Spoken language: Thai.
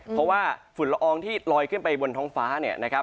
เพราะว่าฝุ่นละอองที่ลอยขึ้นไปบนท้องฟ้าเนี่ยนะครับ